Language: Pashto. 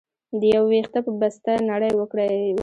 د يو وېښته په بسته نړۍ وکړى وى.